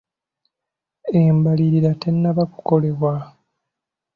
Embalirira tennaba kukolebwa.